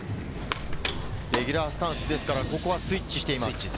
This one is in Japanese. レギュラースタンスですから、ここはスイッチしています。